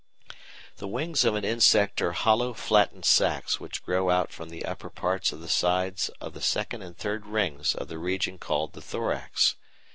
The wings of an insect are hollow flattened sacs which grow out from the upper parts of the sides of the second and third rings of the region called the thorax.